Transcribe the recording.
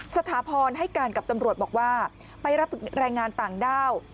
สถาพรให้การกับตำรวจบอกว่าไปรับแรงงานต่างด้าว